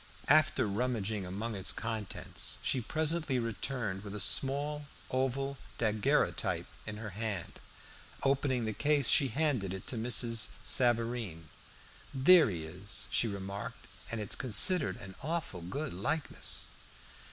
After rummaging among its contents, she presently returned with a small oval daguerreotype in her hand. Opening the case she handed it to Mrs. Savareen. "There he is," she remarked, "an' it's considered an awful good likeness."